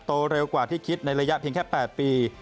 โตเร็วกว่าที่คิดในระยะเพียงแค่๘ปี